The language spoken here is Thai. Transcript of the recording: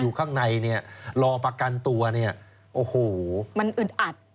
ข้างในเนี่ยรอประกันตัวเนี่ยโอ้โหมันอึดอัด